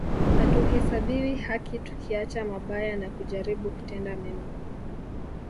Hatuhesabiwi haki tukiacha mabaya na kujaribu kutenda mema